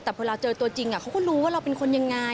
แต่พอเราเจอตัวจริงเขาก็รู้ว่าเราเป็นคนยังไง